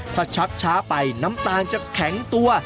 ถ้าชักช้าไปน้ำตาลจะแข็งตัว